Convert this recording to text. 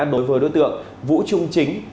đối với đối tượng vũ trung chính